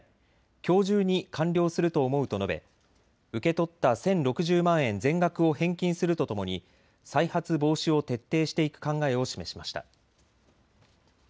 きょう中に完了すると思うと述べ、受け取った１０６０万円全額を返金するとともに再発防止を徹底していく考えを示しました。